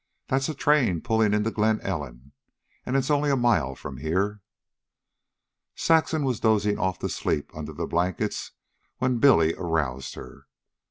"That's a train pulling into Glen Ellen, an' it's only a mile from here." Saxon was dozing off to sleep under the blankets when Billy aroused her.